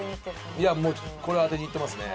いやもうこれは当てにいってますね。